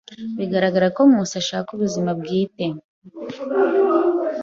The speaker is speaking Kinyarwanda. Biragaragara ko Nkusi ashaka ubuzima bwite.